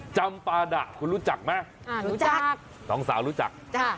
จำปาดะคุณรู้จักไหมอ่ารู้จักสองสาวรู้จักจ้ะ